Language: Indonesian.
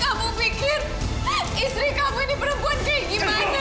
kamu pikir eh istri kamu ini perempuan kayak gimana